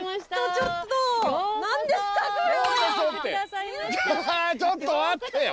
ちょっと待ってよ！